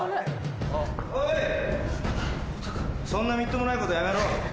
・おいそんなみっともないことやめろ。